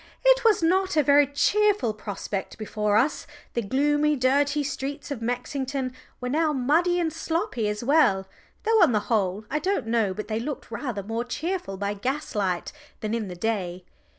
It was not a very cheerful prospect before us the gloomy dirty streets of Mexington were now muddy and sloppy as well though on the whole I don't know but that they looked rather more cheerful by gaslight than in the day.